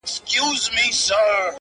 د ژوندون ساز كي ائينه جوړه كړي;